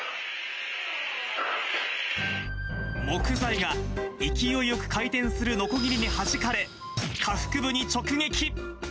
木材が勢いよく回転するのこぎりにはじかれ、下腹部に直撃。